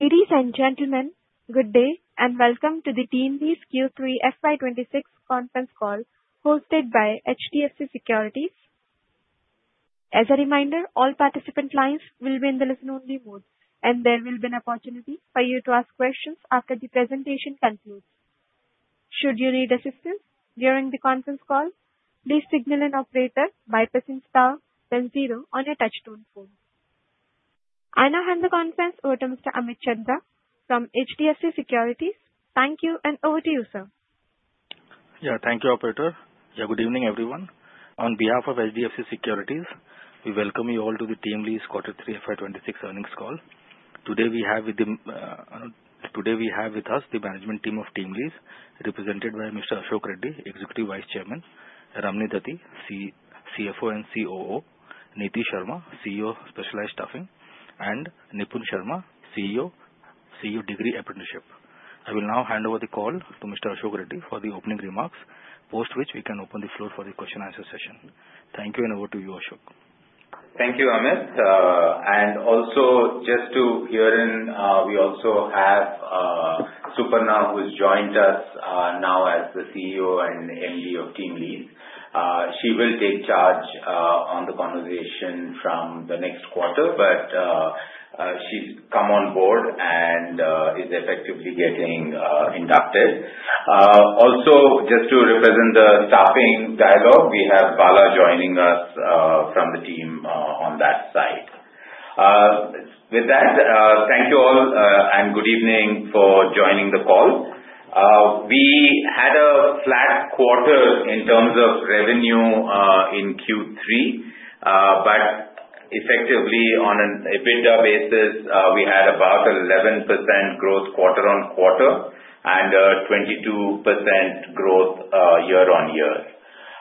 Ladies and gentlemen, good day, and welcome to the TeamLease Q3 FY 2026 Conference Call, hosted by HDFC Securities. As a reminder, all participant lines will be in the listen-only mode, and there will be an opportunity for you to ask questions after the presentation concludes. Should you need assistance during the conference call, please signal an operator by pressing star then zero on your touchtone phone. I now hand the conference over to Mr. Amit Chandra from HDFC Securities. Thank you, and over to you, sir. Yeah. Thank you, operator. Yeah, good evening, everyone. On behalf of HDFC Securities, we welcome you all to the TeamLease Q3 FY 2026 Earnings Call. Today, we have with the, today we have with us the management team of TeamLease, represented by Mr. Ashok Reddy, Executive Vice Chairman; Ramani Dathi, CFO and COO; Neeti Sharma, CEO of Specialized Staffing; and Nipun Sharma, CEO, Degree Apprenticeship. I will now hand over the call to Mr. Ashok Reddy for the opening remarks, post which we can open the floor for the question and answer session. Thank you, and over to you, Ashok. Thank you, Amit. And also just to chime in, we also have Suparna, who's joined us now as the CEO and MD of TeamLease. She will take charge on the conversation from the next quarter, but she's come on board and is effectively getting inducted. Also, just to represent the staffing dialogue, we have Bala joining us from the team on that side. With that, thank you all and good evening for joining the call. We had a flat quarter in terms of revenue in Q3. But effectively, on an EBITDA basis, we had about 11% growth quarter-on-quarter and 22% growth year-on-year.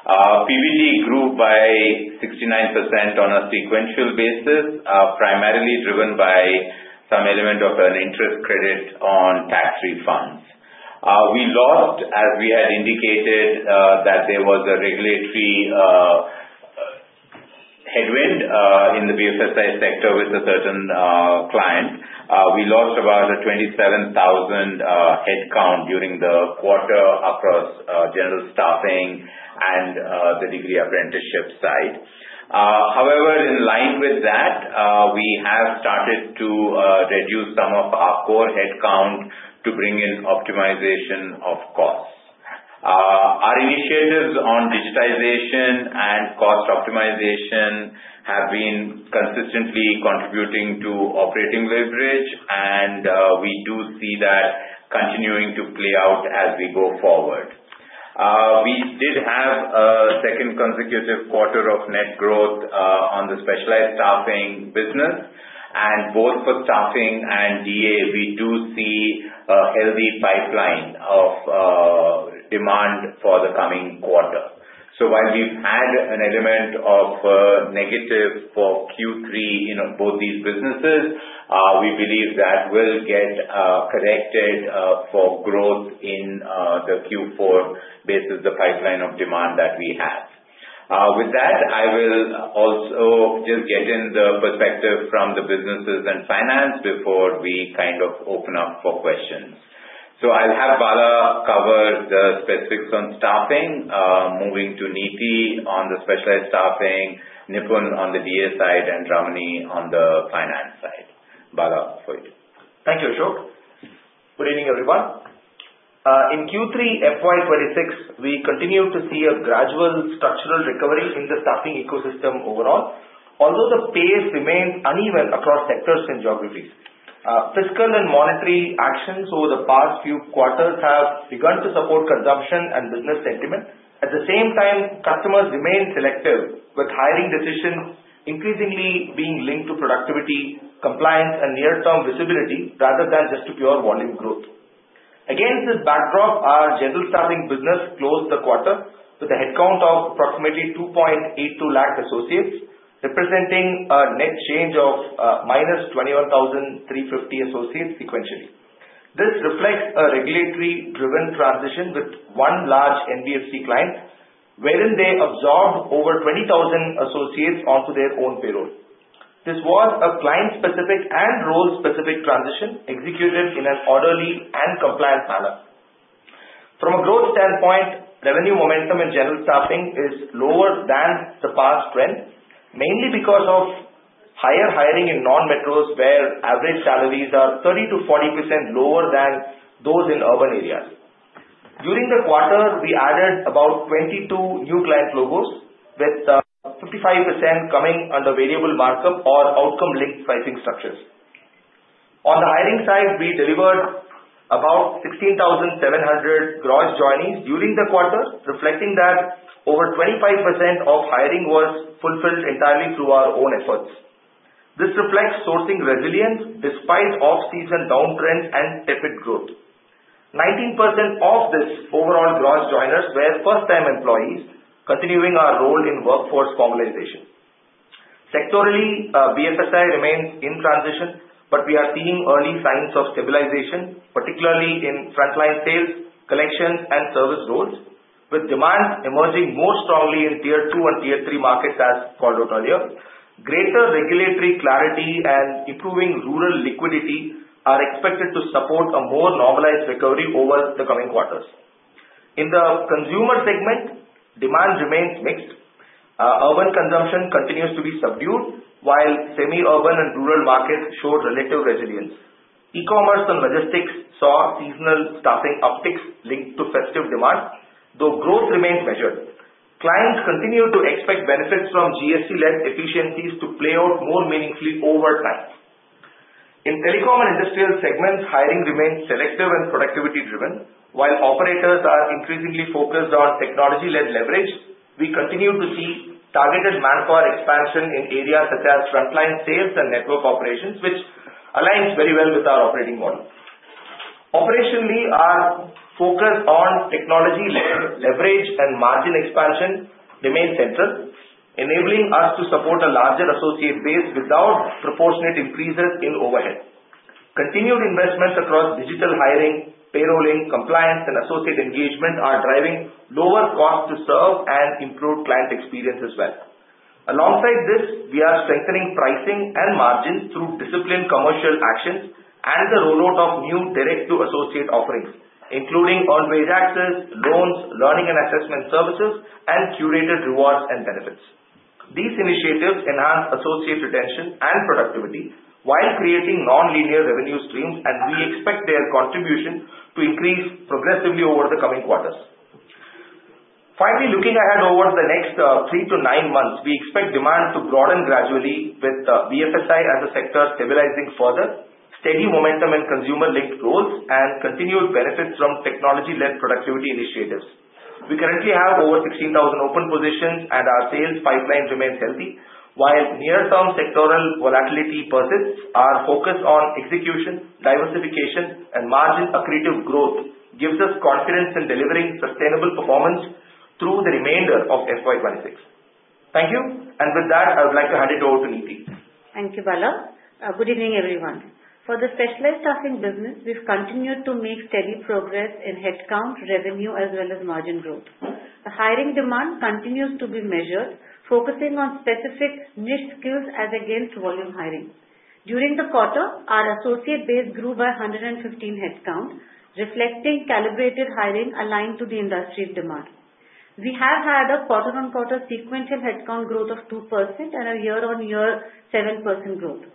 PBT grew by 69% on a sequential basis, primarily driven by some element of an interest credit on tax refunds. We lost, as we had indicated, that there was a regulatory headwind in the BFSI sector with a certain client. We lost about 27,000 headcount during the quarter across general staffing and the degree apprenticeship side. However, in line with that, we have started to reduce some of our core headcount to bring in optimization of costs. Our initiatives on digitization and cost optimization have been consistently contributing to operating leverage, and we do see that continuing to play out as we go forward. We did have a second consecutive quarter of net growth on the specialized staffing business. Both for staffing and DA, we do see a healthy pipeline of demand for the coming quarter. So while we've had an element of negative for Q3 in both these businesses, we believe that will get corrected for growth in the Q4 basis the pipeline of demand that we have. With that, I will also just get in the perspective from the businesses and finance before we kind of open up for questions. So I'll have Bala cover the specifics on staffing, moving to Neeti on the specialized staffing, Nipun on the DA side, and Ramani on the finance side. Bala, for you. Thank you, Ashok. Good evening, everyone. In Q3 FY 2026, we continued to see a gradual structural recovery in the staffing ecosystem overall, although the pace remains uneven across sectors and geographies. Fiscal and monetary actions over the past few quarters have begun to support consumption and business sentiment. At the same time, customers remain selective, with hiring decisions increasingly being linked to productivity, compliance, and near-term visibility, rather than just to pure volume growth. Against this backdrop, our general staffing business closed the quarter with a headcount of approximately 2.82 lakh associates, representing a net change of -21,350 associates sequentially. This reflects a regulatory-driven transition with one large NBFC client, wherein they absorbed over 20,000 associates onto their own payroll. This was a client-specific and role-specific transition, executed in an orderly and compliant manner. From a growth standpoint, revenue momentum in general staffing is lower than the past trend, mainly because of higher hiring in non-metros, where average salaries are 30%-40% lower than those in urban areas. During the quarter, we added about 22 new client logos, with 55% coming under variable markup or outcome-linked pricing structures. On the hiring side, we delivered about 16,700 gross joinings during the quarter, reflecting that over 25% of hiring was fulfilled entirely through our own efforts. This reflects sourcing resilience despite off-season downtrends and tepid growth. 19% of this overall gross joiners were first-time employees, continuing our role in workforce formalization. Sectorally, BFSI remains in transition, but we are seeing early signs of stabilization, particularly in frontline sales, collections, and service roles, with demand emerging more strongly in Tier two and Tier three markets, as called out earlier. Greater regulatory clarity and improving rural liquidity are expected to support a more normalized recovery over the coming quarters. In the consumer segment, demand remains mixed. Urban consumption continues to be subdued, while semi-urban and rural markets showed relative resilience. E-commerce and logistics saw seasonal staffing upticks linked to festive demand, though growth remains measured. Clients continue to expect benefits from GST-led efficiencies to play out more meaningfully over time. In telecom and industrial segments, hiring remains selective and productivity driven. While operators are increasingly focused on technology-led leverage, we continue to see targeted manpower expansion in areas such as frontline sales and network operations, which aligns very well with our operating model. Operationally, our focus on technology-led leverage and margin expansion remains central, enabling us to support a larger associate base without proportionate increases in overhead. Continued investments across digital hiring, payroll link compliance, and associate engagement are driving lower costs to serve and improve client experience as well. Alongside this, we are strengthening pricing and margins through disciplined commercial actions and the rollout of new direct-to-associate offerings, including Earned Wage Access, loans, learning and assessment services, and curated rewards and benefits. These initiatives enhance associate retention and productivity while creating non-linear revenue streams, and we expect their contribution to increase progressively over the coming quarters. Finally, looking ahead over the next 3-9 months, we expect demand to broaden gradually with BFSI as a sector stabilizing further, steady momentum in consumer-linked roles, and continued benefits from technology-led productivity initiatives. We currently have over 16,000 open positions, and our sales pipeline remains healthy. While near-term sectoral volatility persists, our focus on execution, diversification, and margin accretive growth gives us confidence in delivering sustainable performance through the remainder of FY 2026. Thank you, and with that, I would like to hand it over to Neeti. Thank you, Bala. Good evening, everyone. For the specialized staffing business, we've continued to make steady progress in headcount, revenue, as well as margin growth. The hiring demand continues to be measured, focusing on specific niche skills as against volume hiring. During the quarter, our associate base grew by 115 headcount, reflecting calibrated hiring aligned to the industry's demand. We have had a quarter-on-quarter sequential headcount growth of 2% and a year-on-year 7% growth.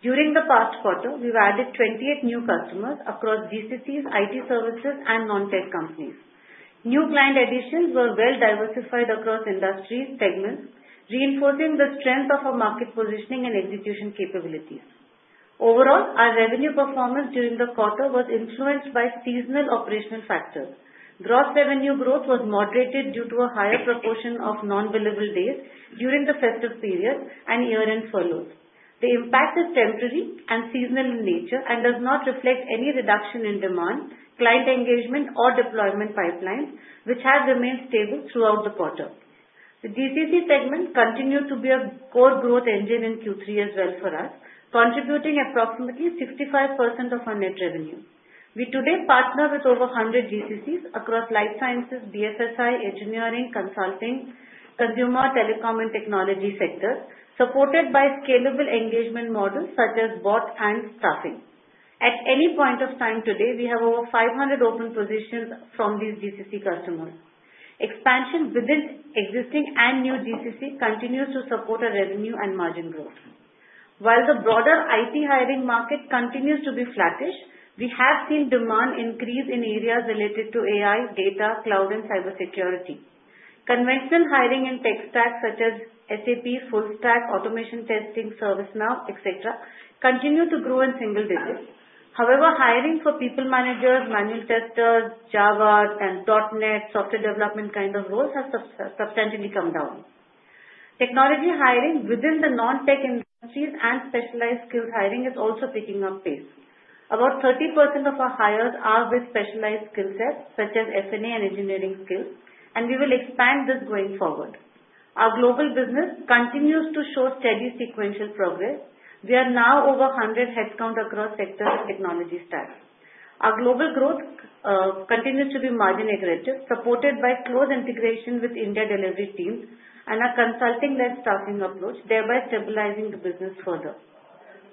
During the past quarter, we've added 28 new customers across GCCs, IT services, and non-tech companies. New client additions were well diversified across industry segments, reinforcing the strength of our market positioning and execution capabilities. Overall, our revenue performance during the quarter was influenced by seasonal operational factors. Gross revenue growth was moderated due to a higher proportion of non-billable days during the festive period and year-end furloughs. The impact is temporary and seasonal in nature and does not reflect any reduction in demand, client engagement, or deployment pipeline, which has remained stable throughout the quarter. The GCC segment continued to be a core growth engine in Q3 as well for us, contributing approximately 65% of our net revenue. We today partner with over 100 GCCs across life sciences, BFSI, engineering, consulting, consumer, telecom, and technology sectors, supported by scalable engagement models such as BOT and staffing. At any point of time today, we have over 500 open positions from these GCC customers. Expansion within existing and new GCC continues to support our revenue and margin growth. While the broader IT hiring market continues to be flattish, we have seen demand increase in areas related to AI, data, cloud, and cybersecurity. Conventional hiring in tech stacks such as SAP, Full Stack, Automation Testing, ServiceNow, et cetera, continues to grow in single digits. However, hiring for people managers, manual testers, Java and .NET, software development kind of roles has substantially come down. Technology hiring within the non-tech industries and specialized skills hiring is also picking up pace. About 30% of our hires are with specialized skill sets, such as SRE and engineering skills, and we will expand this going forward. Our global business continues to show steady sequential progress. We are now over 100 headcount across sectors and technology stacks. Our global growth continues to be margin accretive, supported by close integration with India delivery teams and our consulting-led staffing approach, thereby stabilizing the business further.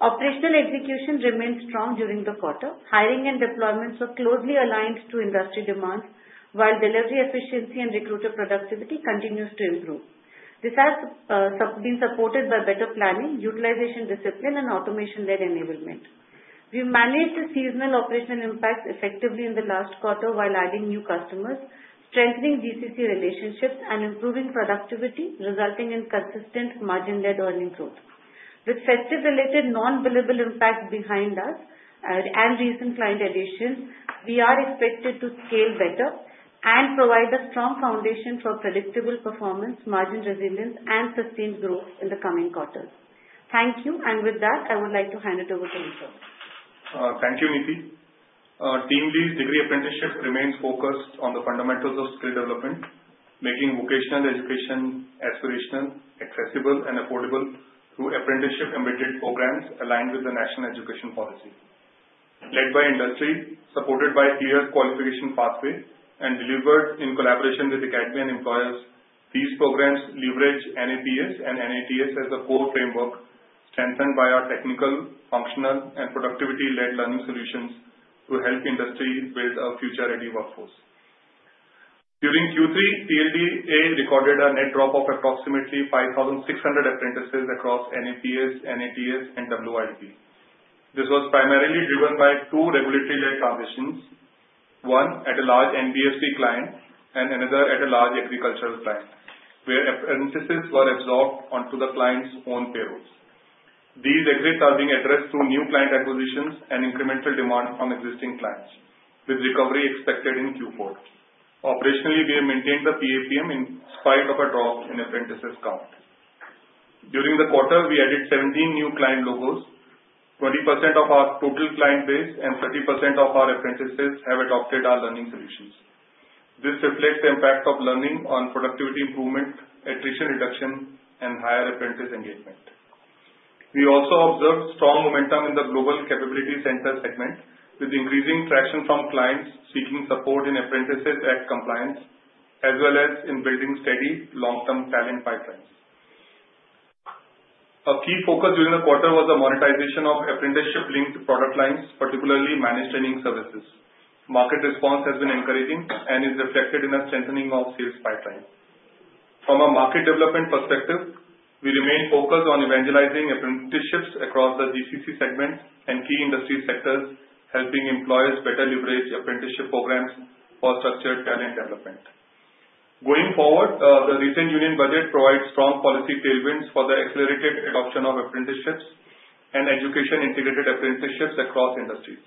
Operational execution remained strong during the quarter. Hiring and deployments were closely aligned to industry demands, while delivery efficiency and recruiter productivity continues to improve. This has been supported by better planning, utilization discipline, and automation-led enablement. We managed the seasonal operational impact effectively in the last quarter while adding new customers, strengthening GCC relationships, and improving productivity, resulting in consistent margin-led earning growth. With festive-related non-billable impact behind us, and recent client additions, we are expected to scale better and provide a strong foundation for predictable performance, margin resilience, and sustained growth in the coming quarters. Thank you, and with that, I would like to hand it over to Nipun. Thank you, Neeti. TeamLease Degree Apprenticeship remains focused on the fundamentals of skill development, making vocational education aspirational, accessible, and affordable through apprenticeship-embedded programs aligned with the national education policy. Led by industry, supported by clear qualification pathway, and delivered in collaboration with the academy and employers. These programs leverage NAPS and NATS as a core framework, strengthened by our technical, functional, and productivity-led learning solutions to help industry with a future-ready workforce. During Q3, TDA recorded a net drop of approximately 5,600 apprentices across NAPS, NATS, and WIP. This was primarily driven by two regulatory-led transitions, one at a large NBFC client and another at a large agricultural client, where apprentices were absorbed onto the client's own payrolls. These exits are being addressed through new client acquisitions and incremental demand from existing clients, with recovery expected in Q4. Operationally, we have maintained the PAPM in spite of a drop in apprentices count. During the quarter, we added 17 new client logos. 20% of our total client base and 30% of our apprentices have adopted our learning solutions. This reflects the impact of learning on productivity improvement, attrition reduction, and higher apprentice engagement. We also observed strong momentum in the global capability center segment, with increasing traction from clients seeking support in apprentices act compliance, as well as in building steady long-term talent pipelines. A key focus during the quarter was the monetization of apprenticeship-linked product lines, particularly managed training services. Market response has been encouraging and is reflected in a strengthening of sales pipeline. From a market development perspective, we remain focused on evangelizing apprenticeships across the GCC segment and key industry sectors, helping employers better leverage the apprenticeship programs for structured talent development. Going forward, the recent Union Budget provides strong policy tailwinds for the accelerated adoption of apprenticeships and education-integrated apprenticeships across industries.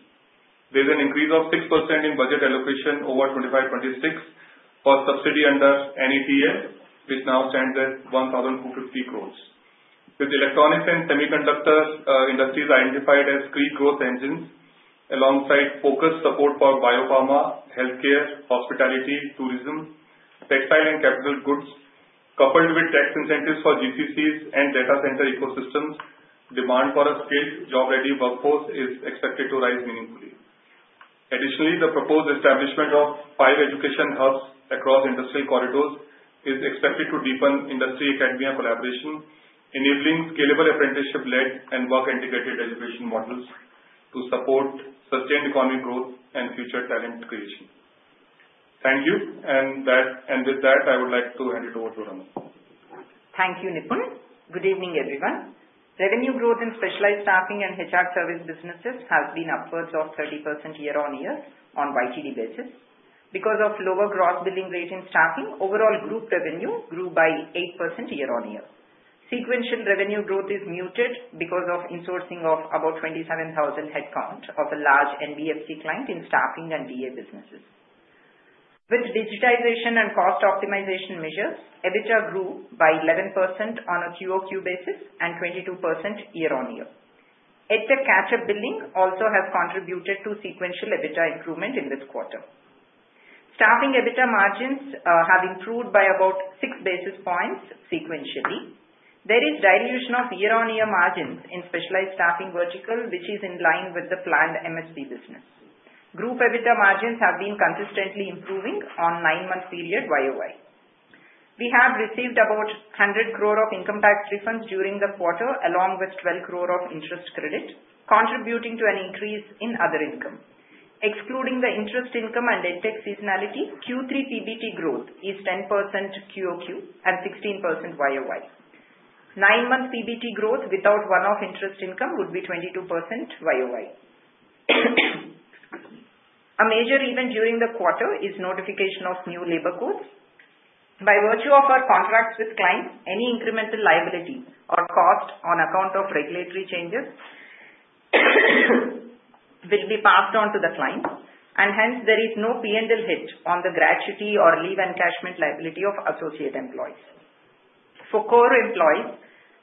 There's an increase of 6% in budget allocation over 2025-26 for subsidy under NAPS, which now stands at 1,250 crores. With electronics and semiconductors industries identified as key growth engines, alongside focused support for biopharma, healthcare, hospitality, tourism, textile and capital goods, coupled with tax incentives for GCCs and data center ecosystems, demand for a skilled job-ready workforce is expected to rise meaningfully. Additionally, the proposed establishment of five education hubs across industrial corridors is expected to deepen industry-academia collaboration, enabling scalable apprenticeship-led and work-integrated education models to support sustained economic growth and future talent creation. Thank you, and that-- and with that, I would like to hand it over to Rama. Thank you, Nipun. Good evening, everyone. Revenue growth in specialized staffing and HR service businesses has been upwards of 30% year-on-year on YTD basis. Because of lower gross billing rates in staffing, overall group revenue grew by 8% year-on-year. Sequential revenue growth is muted because of insourcing of about 27,000 headcount of a large NBFC client in staffing and DA businesses. With digitization and cost optimization measures, EBITDA grew by 11% on a QOQ basis and 22% year-on-year. EdTech catch-up billing also has contributed to sequential EBITDA improvement in this quarter. Staffing EBITDA margins have improved by about 6 basis points sequentially. There is dilution of year-on-year margins in specialized staffing vertical, which is in line with the planned MSP business. Group EBITDA margins have been consistently improving on 9-month period YOY. We have received about 100 crore of income tax refunds during the quarter, along with 12 crore of interest credit, contributing to an increase in other income. Excluding the interest income and EdTech seasonality, Q3 PBT growth is 10% QOQ and 16% YOY. 9-month PBT growth without one-off interest income would be 22% YOY. A major event during the quarter is notification of new Labour Codes. By virtue of our contracts with clients, any incremental liability or cost on account of regulatory changes will be passed on to the client, and hence there is no P&L hit on the gratuity or leave encashment liability of associate employees. For core employees,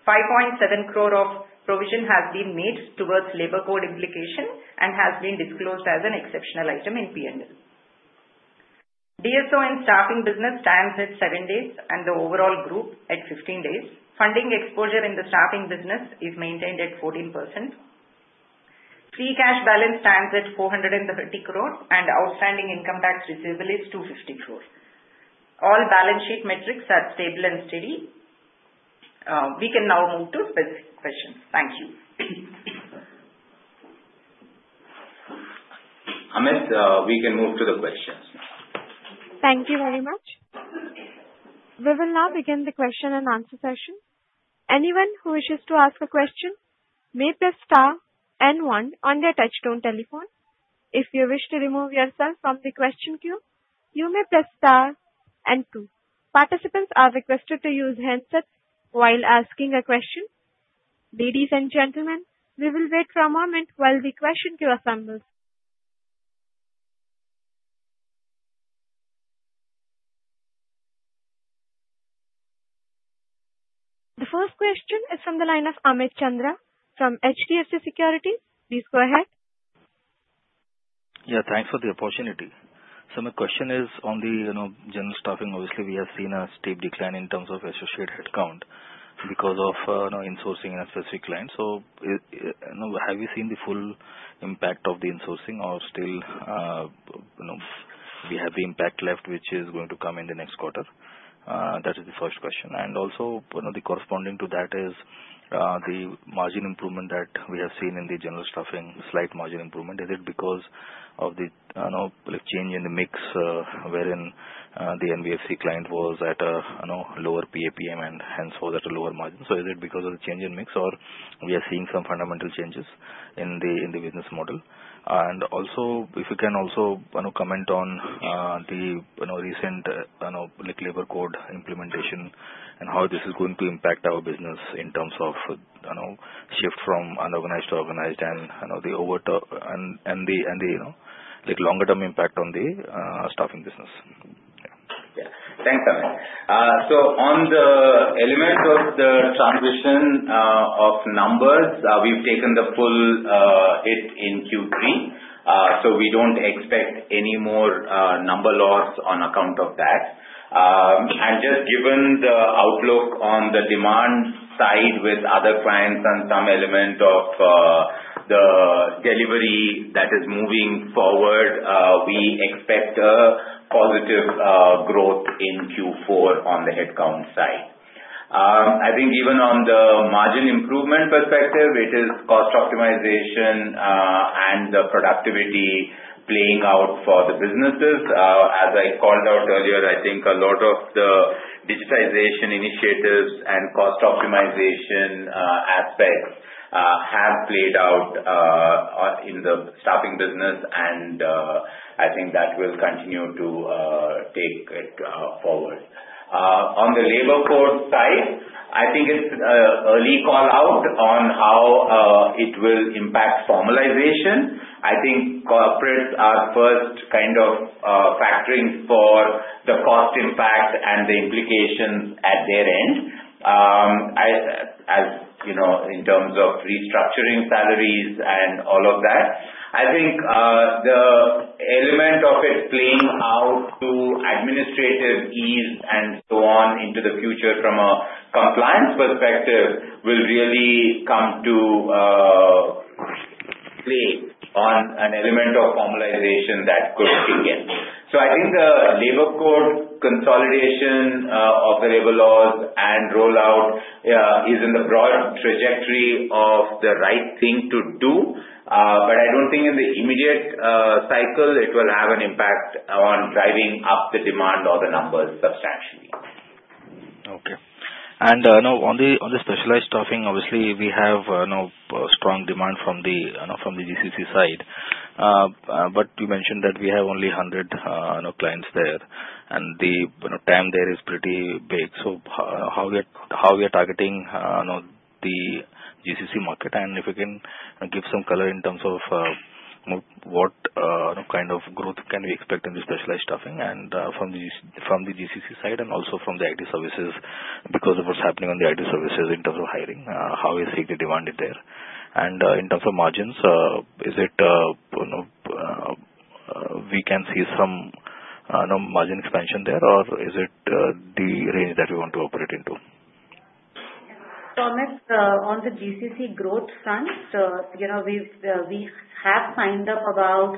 5.7 crore of provision has been made towards labor code implication and has been disclosed as an exceptional item in P&L. DSO in staffing business stands at 7 days, and the overall group at 15 days. Funding exposure in the staffing business is maintained at 14%. Free cash balance stands at 430 crore, and outstanding income tax receivable is 250 crores. All balance sheet metrics are stable and steady. We can now move to specific questions. Thank you. Amit, we can move to the questions now. Thank you very much. We will now begin the question and answer session. Anyone who wishes to ask a question may press star and one on their touchtone telephone. If you wish to remove yourself from the question queue, you may press star and two. Participants are requested to use handsets while asking a question. Ladies and gentlemen, we will wait for a moment while the question queue assembles. The first question is from the line of Amit Chandra from HDFC Securities. Please go ahead. Yeah, thanks for the opportunity. So my question is on the, you know, general staffing. Obviously, we have seen a steep decline in terms of associate headcount because of, you know, insourcing and specific clients. So it, you know, have you seen the full impact of the insourcing or still, you know, we have the impact left, which is going to come in the next quarter? That is the first question. And also, you know, the corresponding to that is, the margin improvement that we have seen in the general staffing, slight margin improvement. Is it because of the, you know, like, change in the mix, wherein, the NBFC client was at a, you know, lower PAPM and hence, so was at a lower margin? So is it because of the change in mix, or we are seeing some fundamental changes in the, in the business model? And also, if you can also, you know, comment on, the, you know, recent, you know, like, labor code implementation, and how this is going to impact our business in terms of, you know, shift from unorganized to organized, and, you know, the longer-term impact on the, staffing business. Yeah. Yeah. Thanks, Amit. So on the element of the transition of numbers, we've taken the full hit in Q3. So we don't expect any more number loss on account of that. And just given the outlook on the demand side with other clients and some element of the delivery that is moving forward, we expect a positive growth in Q4 on the headcount side. I think even on the margin improvement perspective, it is cost optimization and the productivity playing out for the businesses. As I called out earlier, I think a lot of the digitization initiatives and cost optimization aspects have played out in the staffing business, and I think that will continue to take it forward. On the labor code side, I think it's early call out on how it will impact formalization. I think corporates are first kind of factoring for the cost impact and the implications at their end. As you know, in terms of restructuring salaries and all of that. I think the element of it playing out to administrative ease and so on into the future from a compliance perspective, will really come to play on an element of formalization that could begin. So I think the labor code consolidation of the labor laws and rollout is in the broad trajectory of the right thing to do. But I don't think in the immediate cycle it will have an impact on driving up the demand or the numbers substantially. Okay. And, now, on the, on the specialized staffing, obviously, we have, you know, strong demand from the, you know, from the GCC side. But you mentioned that we have only 100, you know, clients there, and the, you know, TAM there is pretty big. So how we are targeting, you know, the GCC market? And if you can give some color in terms of, what kind of growth can we expect in the specialized staffing and, from the GCC side and also from the IT services, because of what's happening on the IT services in terms of hiring, how is the demand there? In terms of margins, is it, you know, we can see some, you know, margin expansion there, or is it the range that we want to operate into? So Amit, on the GCC growth front, you know, we've, we have signed up about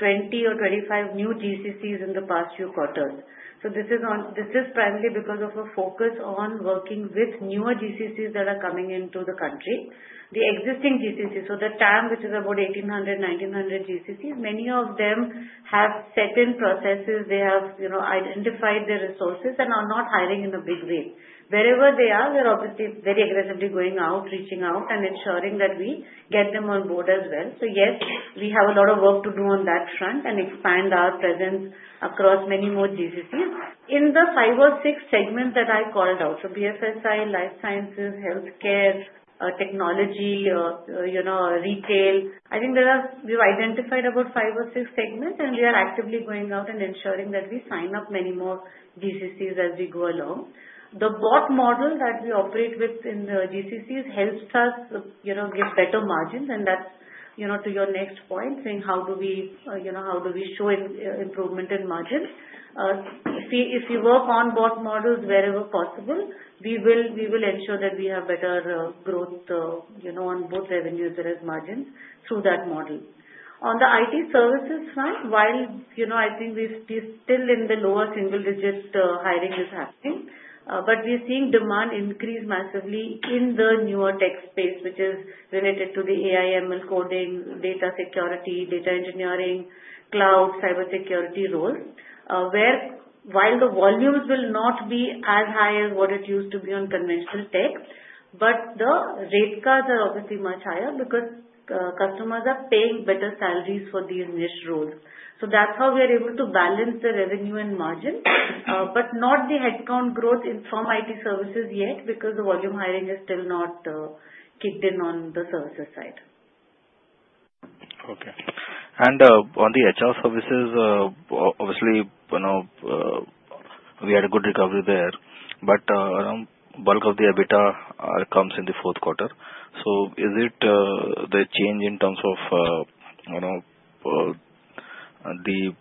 20 or 25 new GCCs in the past few quarters. So this is this is primarily because of a focus on working with newer GCCs that are coming into the country. The existing GCCs, so the TAM, which is about 1,800, 1,900 GCCs, many of them have set in processes. They have, you know, identified their resources and are not hiring in a big way. Wherever they are, we are obviously very aggressively going out, reaching out, and ensuring that we get them on board as well. So yes, we have a lot of work to do on that front and expand our presence across many more GCCs. In the five or six segments that I called out, so BFSI, life sciences, healthcare, technology, you know, retail, I think we've identified about five or six segments, and we are actively going out and ensuring that we sign up many more GCCs as we go along. The bot model that we operate with in the GCCs helps us, you know, get better margins, and that's, you know, to your next point, saying how do we, you know, how do we show improvement in margins? If we work on BOT models wherever possible, we will ensure that we have better growth, you know, on both revenues and as margins through that model. On the IT services front, while you know, I think we're still in the lower single digits, hiring is happening. But we're seeing demand increase massively in the newer tech space, which is related to the AIML coding, data security, data engineering, cloud, cybersecurity roles, where while the volumes will not be as high as what it used to be on conventional tech, but the rate cards are obviously much higher because customers are paying better salaries for these niche roles. So that's how we are able to balance the revenue and margin, but not the headcount growth in from IT services yet, because the volume hiring has still not kicked in on the services side. Okay. And on the HR services, obviously, you know, we had a good recovery there, but around bulk of the EBITDA comes in the Q4. So is it the change in terms of, you know, the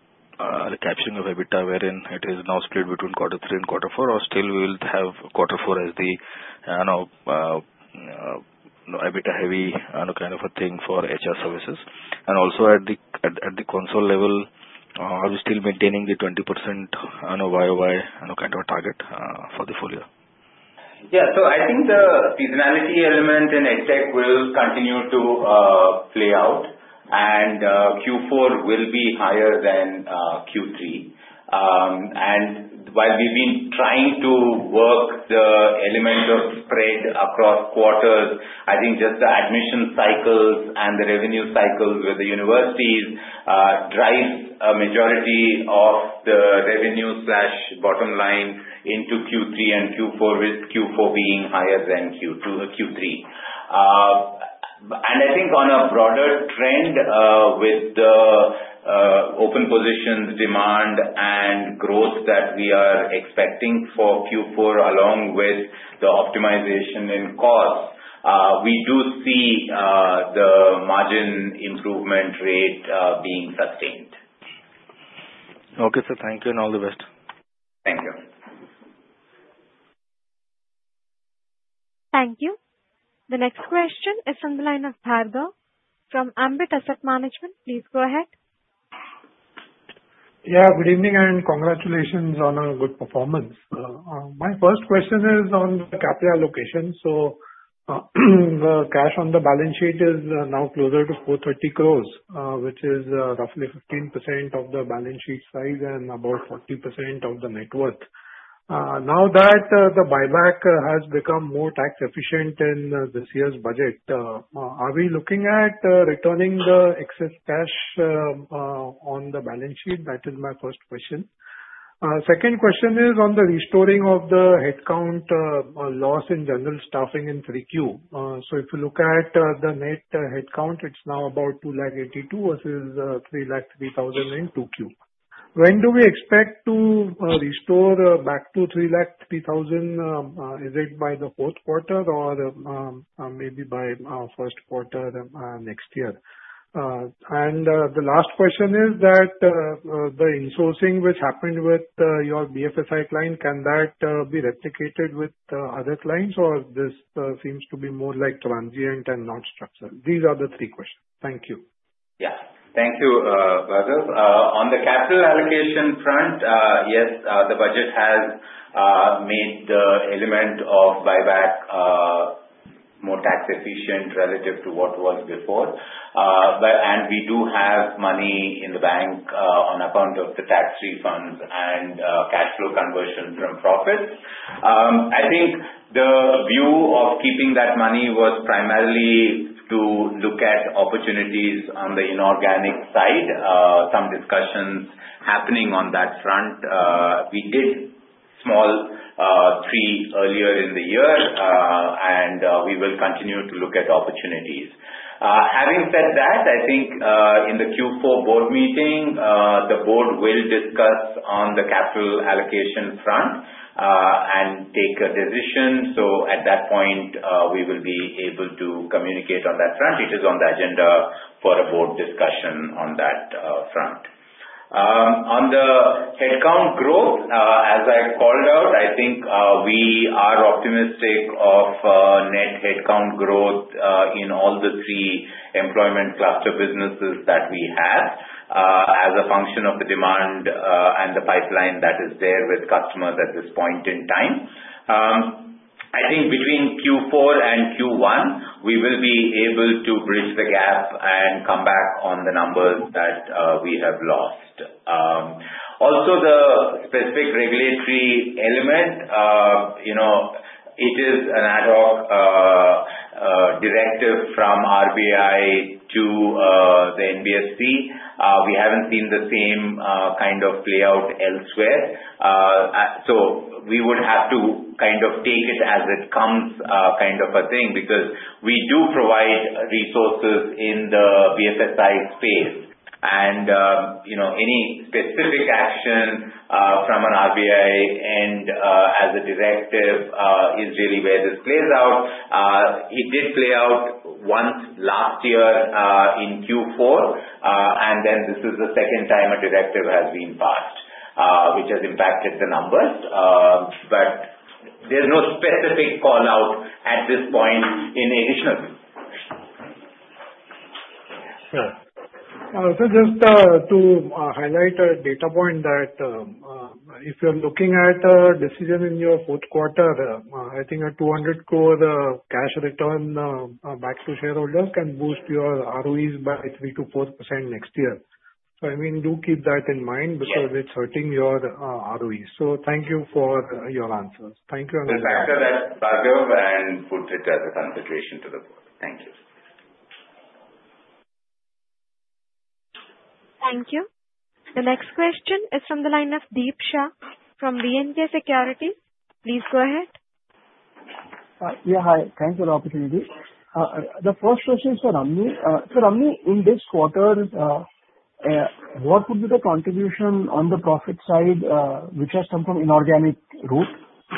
capturing of EBITDA, wherein it is now split between Q3 and Q4, or still we'll have Q4 as the, I don't know, EBITDA heavy kind of a thing for HR services? And also at the consolidated level, are we still maintaining the 20% on a YOY, on a kind of a target for the full year? Yeah. So I think the seasonality element in EdTech will continue to play out, and Q4 will be higher than Q3. And while we've been trying to work the element of spread across quarters, I think just the admission cycles and the revenue cycles with the universities drives a majority of the revenue slash bottom line into Q3 and Q4, with Q4 being higher than Q2 or Q3. And I think on a broader trend, with the open positions, demand, and growth that we are expecting for Q4, along with the optimization in costs, we do see the margin improvement rate being sustained. Okay, sir. Thank you and all the best. Thank you. Thank you. The next question is from the line of Bhargav from Ambit Asset Management. Please go ahead. Yeah, good evening, and congratulations on a good performance. My first question is on the capital allocation. So, cash on the balance sheet is now closer to 430 crores, which is, roughly 15% of the balance sheet size and about 40% of the net worth. Now that, the buyback has become more tax efficient in this year's budget, are we looking at, returning the excess cash, on the balance sheet? That is my first question. Second question is on the restoring of the headcount loss in general staffing in 3Q. So if you look at, the net headcount, it's now about 282,000 versus, 303,000 in 2Q. When do we expect to, restore, back to 303,000? Is it by the Q4 or maybe by Q1 next year? And the last question is that the insourcing which happened with your BFSI client, can that be replicated with other clients, or this seems to be more like transient and not structured? These are the three questions. Thank you. Yeah. Thank you, Bhargav. On the capital allocation front, yes, the budget has made the element of buyback more tax efficient relative to what was before. But... And we do have money in the bank, on account of the tax refunds and, cash flow conversion from profits. I think the view of keeping that money was primarily to look at opportunities on the inorganic side. Some discussions happening on that front. We did small three earlier in the year, and we will continue to look at opportunities. Having said that, I think, in the Q4 board meeting, the board will discuss on the capital allocation front, and take a decision. So at that point, we will be able to communicate on that front. It is on the agenda for a board discussion on that front. On the headcount growth, as I called out, I think we are optimistic of net headcount growth in all the three employment cluster businesses that we have, as a function of the demand and the pipeline that is there with customers at this point in time. I think between Q4 and Q1, we will be able to bridge the gap and come back on the numbers that we have lost. Also, the specific regulatory element, you know, it is an ad hoc directive from RBI to the NBFC. We haven't seen the same kind of play out elsewhere. So we would have to kind of take it as it comes, kind of a thing, because we do provide resources in the BFSI space. And, you know, any specific action from an RBI and, as a directive, is really where this plays out. It did play out once last year, in Q4. And then this is the second time a directive has been passed, which has impacted the numbers. But there's no specific call-out at this point in addition. Sure. So just to highlight a data point that if you're looking at a decision in your Q4, I think a 200 crore cash return back to shareholders can boost your ROEs by 3%-4% next year. So, I mean, do keep that in mind- Yes. - because it's hurting your ROE. So thank you for your answers. Thank you and- Yes, thank you, Bhargav, and put it as a consideration to the board. Thank you. Thank you. The next question is from the line of Deep Shah from B&K Securities. Please go ahead. Yeah, hi. Thanks for the opportunity. The first question is for Ramani. So Ramani, in this quarter, what would be the contribution on the profit side, which has come from inorganic route,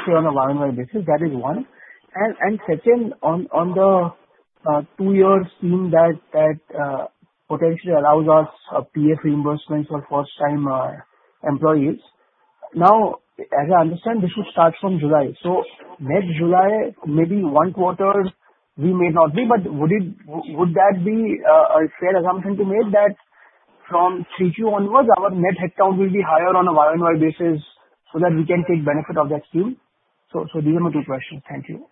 say, on a year-on-year basis? That is one. And second, on the two years scheme that potentially allows us a PF reimbursement for first time employees. Now, as I understand, this will start from July. So next July, maybe one quarter we may not be, but would it be a fair assumption to make that from Q2 onwards, our net headcount will be higher on a year-on-year basis, so that we can take benefit of that scheme? So these are my two questions. Thank you.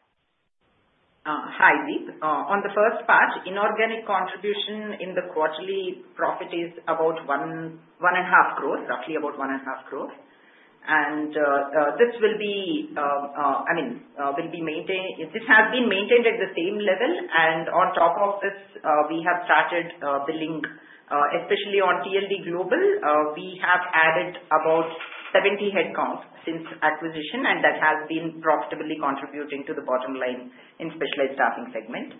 Hi, Deep. On the first part, inorganic contribution in the quarterly profit is about 1.5 crores, roughly about 1.5 crores. This has been maintained at the same level, and on top of this, we have started building, especially on TLD Global, we have added about 70 headcount since acquisition, and that has been profitably contributing to the bottom line in specialized staffing segment.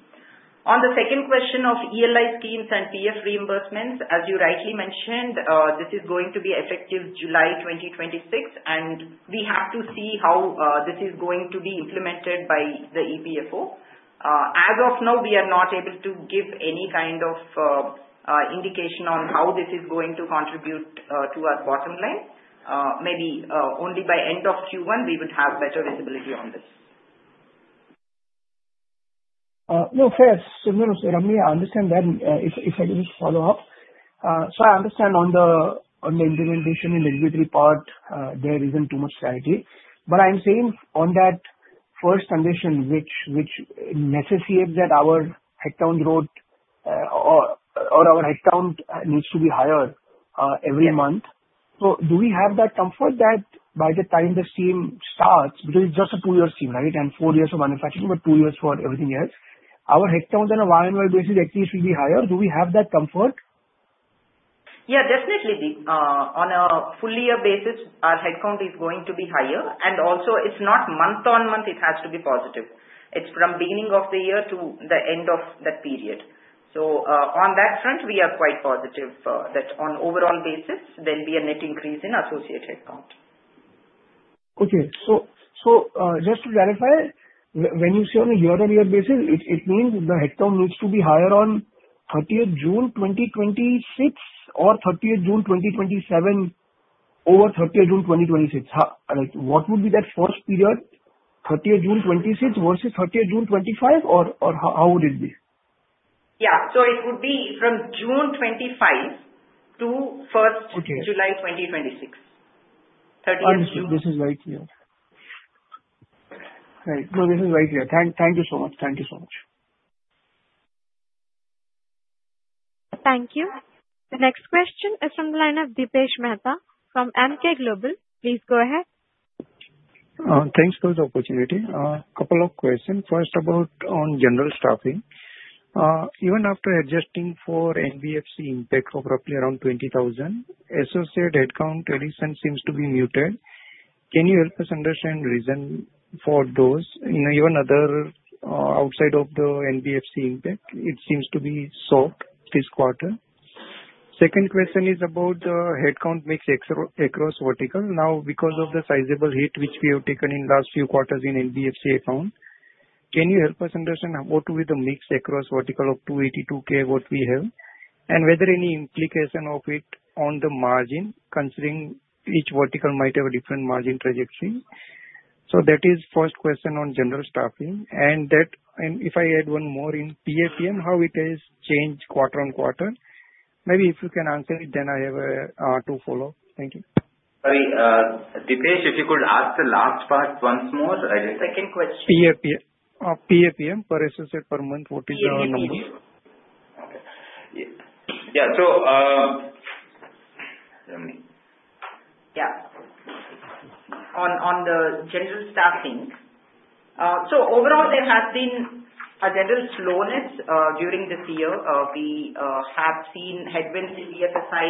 On the second question of ELI schemes and PF reimbursements, as you rightly mentioned, this is going to be effective July 2026, and we have to see how this is going to be implemented by the EPFO. As of now, we are not able to give any kind of indication on how this is going to contribute to our bottom line. Maybe only by end of Q1 we would have better visibility on this. No, fair. So no, Ramani, I understand that, if I just follow up. So I understand on the implementation in the regulatory part, there isn't too much clarity. But I'm saying on that first condition, which necessitates that our headcount route, or our headcount, needs to be higher, every month. So do we have that comfort that by the time the scheme starts, because it's just a 2-year scheme, right? And 4 years of manufacturing, but 2 years for everything else. Our headcounts on a year-on-year basis at least will be higher. Do we have that comfort? Yeah, definitely, Deep. On a full-year basis, our headcount is going to be higher, and also it's not month-on-month, it has to be positive. It's from beginning of the year to the end of that period. So, on that front, we are quite positive that on overall basis there'll be a net increase in associate headcount. Okay. So, just to clarify, when you say on a year-on-year basis, it means the headcount needs to be higher on thirtieth June 2026 or thirtieth June 2027, over thirtieth June 2026? How, what would be that first period, thirtieth June 2026 versus thirtieth June 2025, or how would it be? Yeah. So it would be from June 25 to first- Okay. July 2026, thirtieth June. Understood. This is right here. Right. No, this is right here. Thank you so much. Thank you so much. Thank you. The next question is from the line of Dipesh Mehta from Emkay Global. Please go ahead. Thanks for the opportunity. Couple of questions. First, about on general staffing. Even after adjusting for NBFC impact of roughly around 20,000, associate headcount addition seems to be muted. Can you help us understand reason for those? You know, even other, outside of the NBFC impact, it seems to be sort this quarter. Second question is about the headcount mix across vertical. Now, because of the sizable hit, which we have taken in last few quarters in NBFC, I found. Can you help us understand what will be the mix across vertical of 282K, what we have? And whether any implication of it on the margin, considering each vertical might have a different margin trajectory. So that is first question on general staffing. And that, and if I add one more in PAPM, how it has changed quarter-on-quarter? Maybe if you can answer it, then I have a to follow. Thank you. Sorry, Dipesh, if you could ask the last part once more? I just- Second question. PAPM, PAPM, per associate per month, what is our numbers? Okay. Yeah, so, Ramani. Yeah. On the general staffing, so overall there has been a general slowness during this year. We have seen headwinds in BFSI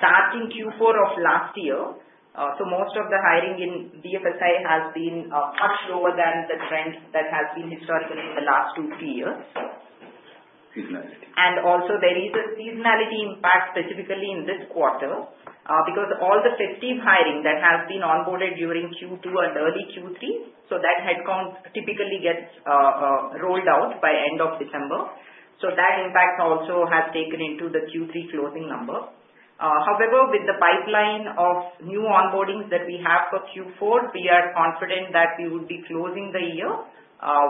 starting Q4 of last year. So most of the hiring in BFSI has been much lower than the trends that has been historically in the last two, three years. Seasonality. And also there is a seasonality impact, specifically in this quarter, because all the 15 hiring that has been onboarded during Q2 and early Q3, so that headcount typically gets rolled out by end of December. So that impact also has taken into the Q3 closing number. However, with the pipeline of new onboardings that we have for Q4, we are confident that we would be closing the year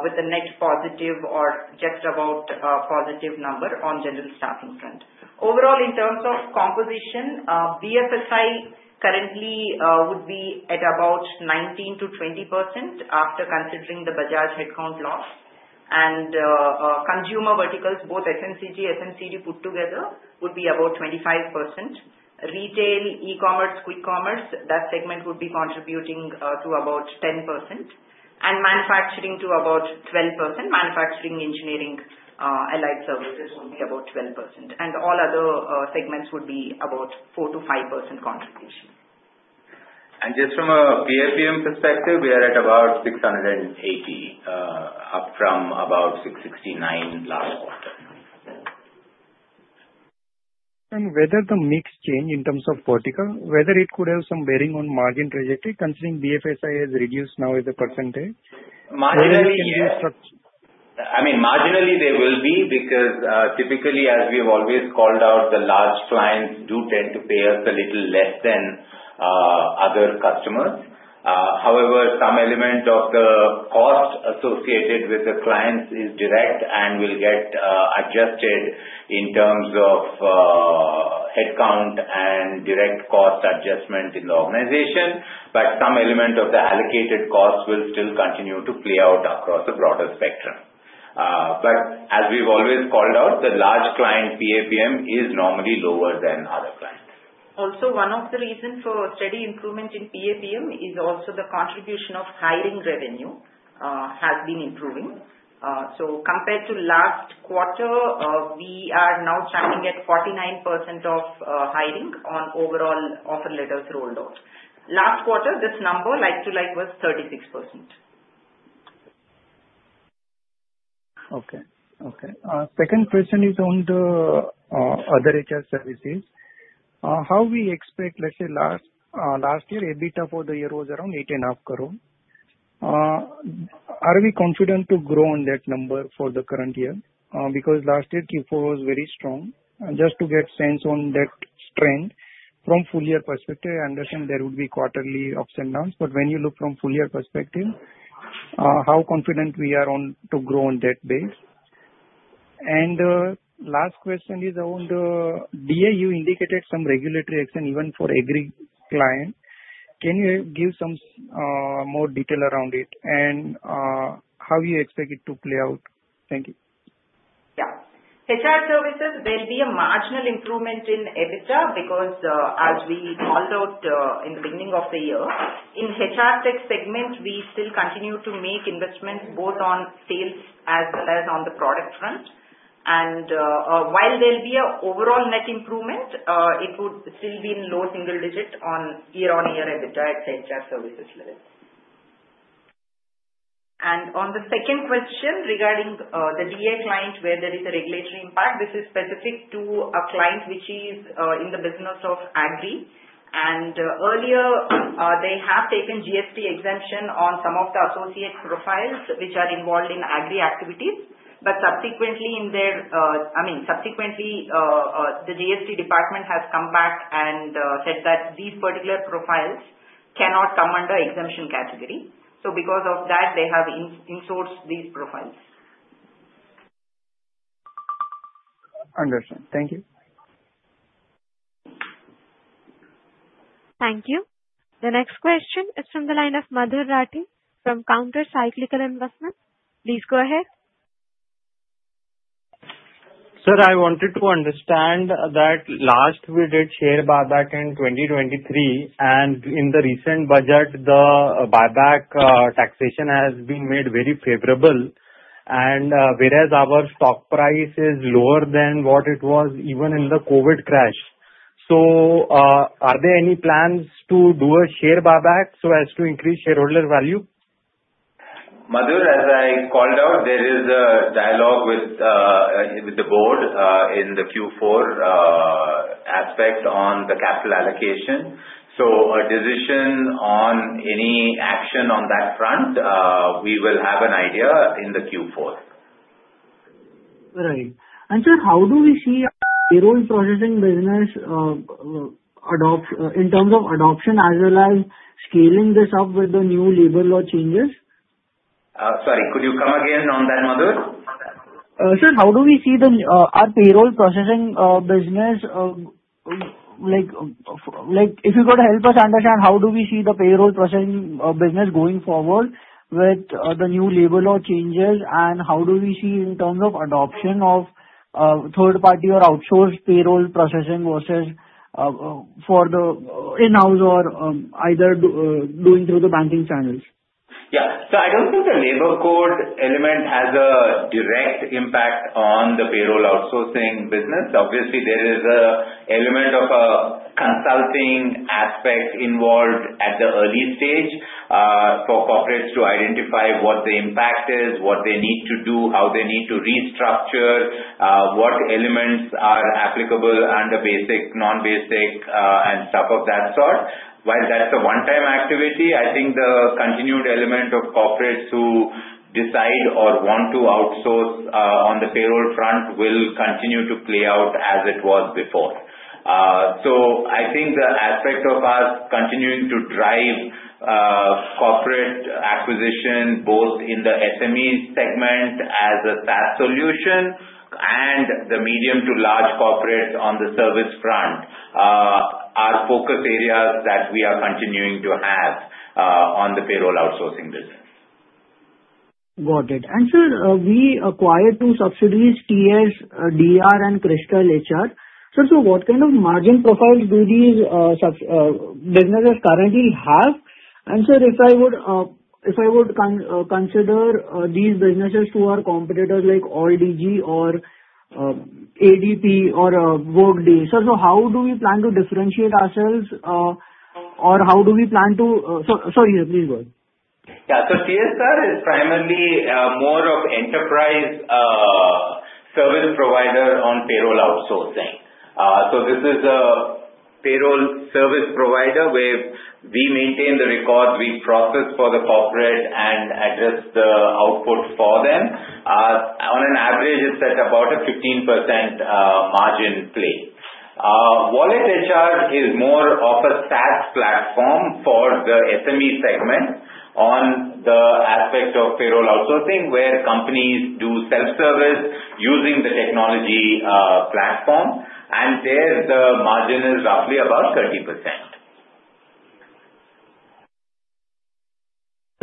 with a net positive or just about positive number on general staffing front. Overall, in terms of composition, BFSI currently would be at about 19%-20% after considering the Bajaj headcount loss. Consumer verticals, both FMCG, FMCG put together would be about 25%. Retail, e-commerce, quick commerce, that segment would be contributing to about 10%, and manufacturing to about 12%. Manufacturing, engineering, allied services would be about 12%, and all other segments would be about 4%-5% contribution. And just from a PAPM perspective, we are at about 680, up from about 669 last quarter. Whether the mix change in terms of vertical, whether it could have some bearing on margin trajectory, considering BFSI has reduced now as a percentage? I mean, marginally they will be, because typically, as we have always called out, the large clients do tend to pay us a little less than other customers. However, some element of the cost associated with the clients is direct and will get adjusted in terms of headcount and direct cost adjustment in the organization. But some element of the allocated costs will still continue to play out across a broader spectrum. But as we've always called out, the large client PAPM is normally lower than other clients. Also, one of the reasons for steady improvement in PAPM is also the contribution of hiring revenue has been improving. So compared to last quarter, we are now standing at 49% of hiring on overall offer letters rolled out. Last quarter, this number like to like was 36%. Okay. Okay. Second question is on the other HR services. How we expect, let's say last year, EBITDA for the year was around 8.5 crore. Are we confident to grow on that number for the current year? Because last year Q4 was very strong. Just to get sense on that strength from full year perspective, I understand there would be quarterly ups and downs, but when you look from full year perspective, how confident we are on to grow on that base? And last question is on the DAU indicated some regulatory action even for agri client. Can you give some more detail around it? And how you expect it to play out? Thank you. Yeah. HR services, there'll be a marginal improvement in EBITDA because, as we called out, in the beginning of the year, in HR tech segment, we still continue to make investments both on sales as well as on the product front. And, while there'll be an overall net improvement, it would still be in low single digit on year-over-year EBITDA at tech HR services level. And on the second question regarding, the DA client, where there is a regulatory impact, this is specific to a client which is, in the business of agri. And, earlier, they have taken GST exemption on some of the associate profiles which are involved in agri activities, but subsequently in their, I mean, subsequently, the GST department has come back and, said that these particular profiles cannot come under exemption category. So because of that, they have insourced these profiles. Understood. Thank you. Thank you. The next question is from the line of Madhur Rathi from Counter Cyclical Investment. Please go ahead. Sir, I wanted to understand that last we did share buyback in 2023, and in the recent budget, the buyback taxation has been made very favorable and, whereas our stock price is lower than what it was even in the COVID crash. So, are there any plans to do a share buyback so as to increase shareholder value? Madhur, as I called out, there is a dialogue with the board in the Q4 aspect on the capital allocation. So a decision on any action on that front, we will have an idea in the Q4. Right. And, sir, how do we see payroll processing business, in terms of adoption as well as scaling this up with the new labor law changes? Sorry, could you come again on that, Madhur? Sir, how do we see our payroll processing business? Like, if you could help us understand, how do we see the payroll processing business going forward with the new labor law changes? And how do we see in terms of adoption of third party or outsourced payroll processing versus for the in-house or either doing through the banking channels? Yeah. So I don't think the labor code element has a direct impact on the payroll outsourcing business. Obviously, there is a element of a consulting aspect involved at the early stage, for corporates to identify what the impact is, what they need to do, how they need to restructure, what elements are applicable, and the basic, non-basic, and stuff of that sort. While that's a one-time activity, I think the continued element of corporates who decide or want to outsource, on the payroll front will continue to play out as it was before. So I think the aspect of us continuing to drive, corporate acquisition both in the SME segment as a SaaS solution and the medium to large corporates on the service front, are focus areas that we are continuing to have, on the payroll outsourcing business. Got it. And sir, we acquired two subsidiaries, TSR Darashaw, and Crystal HR. Sir, so what kind of margin profiles do these subs businesses currently have? And sir, if I would consider these businesses who are competitors like Alldigi or ADP or Workday. Sir, so how do we plan to differentiate ourselves or how do we plan to... Sorry, sorry, yeah, please go ahead. Yeah, so TSR is primarily more of enterprise service provider on payroll outsourcing. So this is a payroll service provider where we maintain the records, we process for the corporate and address the output for them. On average, it's at about a 15% margin play. WalletHR is more of a SaaS platform for the SME segment on the aspect of payroll outsourcing, where companies do self-service using the technology platform, and there, the margin is roughly about 30%.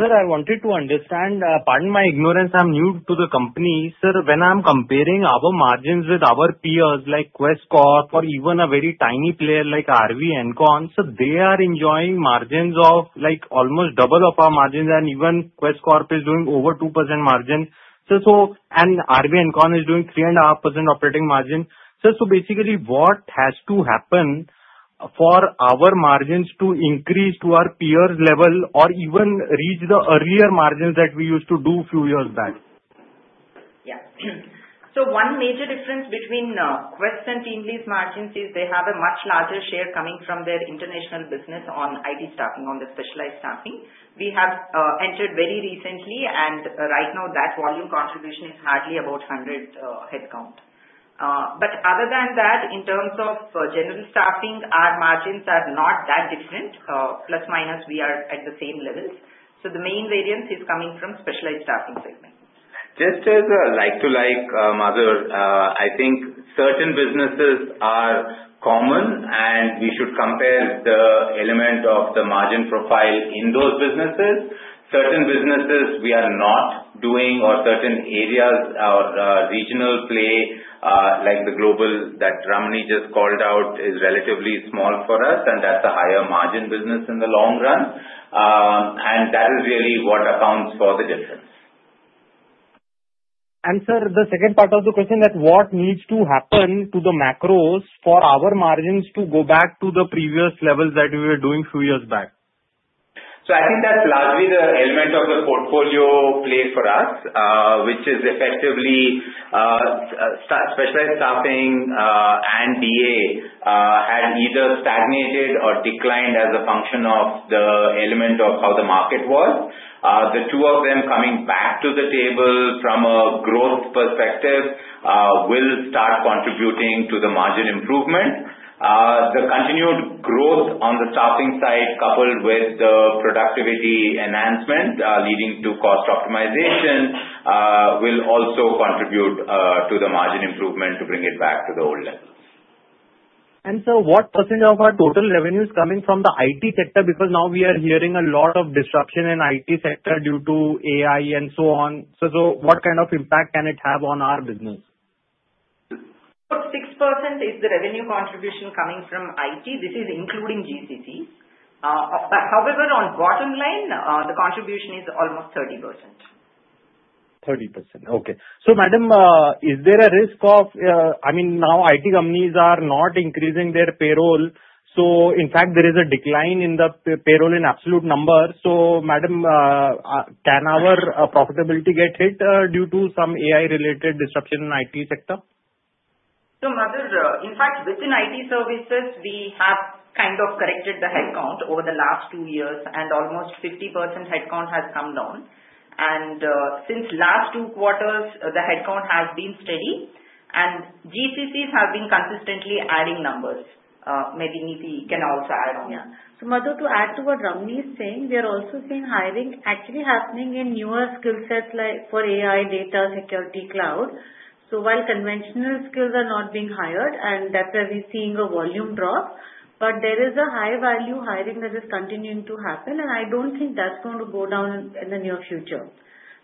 Sir, I wanted to understand, pardon my ignorance, I'm new to the company. Sir, when I'm comparing our margins with our peers, like Quess Corp, or even a very tiny player like Aarvi Encon. So they are enjoying margins of, like, almost double of our margins, and even Quess Corp is doing over 2% margin. So, and Aarvi Encon is doing 3.5% operating margin. So basically, what has to happen for our margins to increase to our peers' level or even reach the earlier margins that we used to do few years back? Yeah. So one major difference between Quess and TeamLease margins is they have a much larger share coming from their international business on IT staffing, on the specialized staffing. We have entered very recently, and right now that volume contribution is hardly about 100 headcount. But other than that, in terms of general staffing, our margins are not that different. Plus minus, we are at the same levels. So the main variance is coming from specialized staffing segment. Just as a like-to-like, Madhur, I think certain businesses are common, and we should compare the element of the margin profile in those businesses. Certain businesses we are not doing or certain areas, our regional play, like the global that Ramani just called out, is relatively small for us, and that's a higher margin business in the long run. And that is really what accounts for the difference. And sir, the second part of the question that what needs to happen to the macros for our margins to go back to the previous levels that we were doing few years back? So I think that's largely the element of the portfolio play for us, which is effectively, specialized staffing, and DA, had either stagnated or declined as a function of the element of how the market was. The two of them coming back to the table from a growth perspective, will start contributing to the margin improvement. The continued growth on the staffing side, coupled with the productivity enhancement, leading to cost optimization, will also contribute, to the margin improvement to bring it back to the old levels. And so what percentage of our total revenue is coming from the IT sector? Because now we are hearing a lot of disruption in IT sector due to AI and so on. So, so what kind of impact can it have on our business? 6% is the revenue contribution coming from IT, this is including GCCs. But however, on bottom line, the contribution is almost 30%. 30%. Okay. So madam, is there a risk of... I mean, now IT companies are not increasing their payroll, so in fact, there is a decline in the payroll in absolute numbers. So madam, can our profitability get hit due to some AI-related disruption in IT sector? So Madhur, in fact, within IT services, we have kind of corrected the headcount over the last 2 years, and almost 50% headcount has come down. And since last 2 quarters, the headcount has been steady, and GCCs have been consistently adding numbers. Maybe Neeti can also add on. Yeah. So Madhur, to add to what Ramani is saying, we are also seeing hiring actually happening in newer skill sets, like for AI, data security, cloud. So while conventional skills are not being hired, and that's where we're seeing a volume drop, but there is a high value hiring that is continuing to happen, and I don't think that's going to go down in the near future.